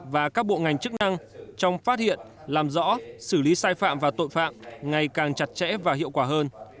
và các bộ ngành chức năng trong phát hiện làm rõ xử lý sai phạm và tội phạm ngày càng chặt chẽ và hiệu quả hơn